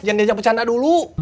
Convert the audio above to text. jangan diajak bercanda dulu